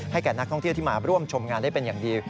แก่นักท่องเที่ยวที่มาร่วมชมงานได้เป็นอย่างดี